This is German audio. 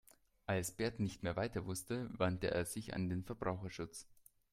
Als Bert nicht mehr weiter wusste, wandte er sich an den Verbraucherschutz.